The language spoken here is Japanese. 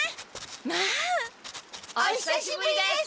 まあ！おひさしぶりです！